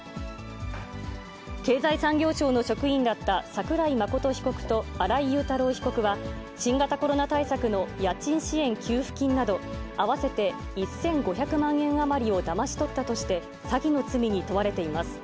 経済産業省の職員だった桜井真被告と新井雄太郎被告は、新型コロナ対策の家賃支援給付金など、合わせて１５００万円余りをだまし取ったとして、詐欺の罪に問われています。